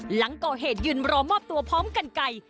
หลังก่อเหตุยืนรอมอบตัวพร้อมกันไก่